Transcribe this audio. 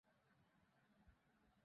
দেখো, কেউ বলছে না এটা মজার হবে না।